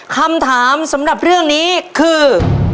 คำถามสำหรับเรื่องนี้คือ